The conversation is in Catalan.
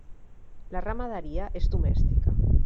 La ramaderia és domèstica.